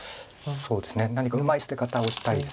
そうですね何かうまい捨て方をしたいです。